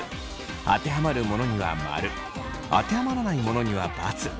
当てはまるものには○当てはまらないものには×。